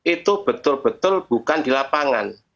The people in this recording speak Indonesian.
itu betul betul bukan di lapangan